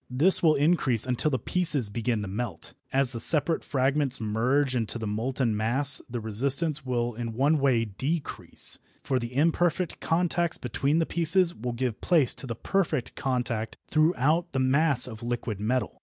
This will increase until the pieces begin to melt. As the separate fragments merge into the molten mass the resistance will in one way decrease, for the imperfect contacts between the pieces will give place to the perfect contact throughout the mass of liquid metal.